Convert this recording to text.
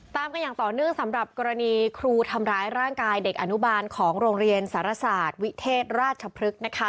ตามกันอย่างต่อเนื่องสำหรับกรณีครูทำร้ายร่างกายเด็กอนุบาลของโรงเรียนสารศาสตร์วิเทศราชพฤกษ์นะคะ